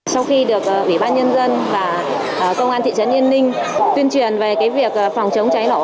sau khi được ủy ban nhân dân và công an thị trấn yên ninh tuyên truyền về việc phòng chống cháy nổ